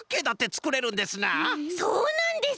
そうなんです！